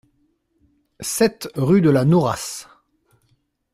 sept rue de la Nourasse